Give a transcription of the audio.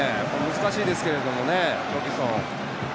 難しいですけどね。